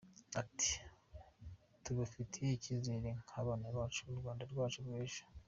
Ati "tubafiteho icyizere nk’abana bacu, u Rwanda rwacu rwejo".